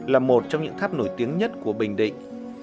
là một trong những tháp nổi tiếng nhất của bình định